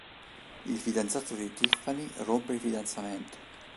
Il fidanzato di Tiffany rompe il fidanzamento.